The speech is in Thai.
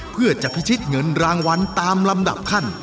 เพื่อจะพิชิตเงินรางวัลตามลำดับขั้น